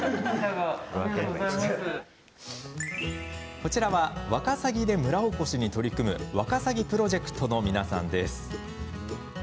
こちらは、ワカサギで村おこしに取り組むワカサギプロジェクトの皆さんです。